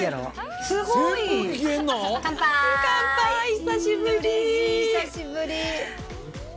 久しぶり。